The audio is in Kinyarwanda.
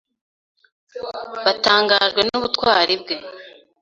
Batangajwe n'ubutwari bwe.